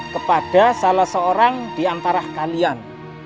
kepada salah seorang diantara kalian